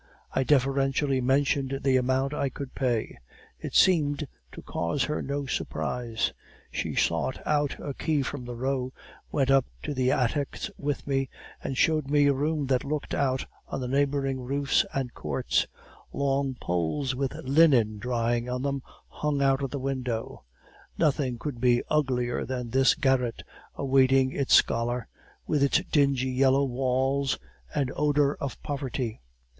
I deferentially mentioned the amount I could pay; it seemed to cause her no surprise; she sought out a key from the row, went up to the attics with me, and showed me a room that looked out on the neighboring roofs and courts; long poles with linen drying on them hung out of the window. "Nothing could be uglier than this garret, awaiting its scholar, with its dingy yellow walls and odor of poverty.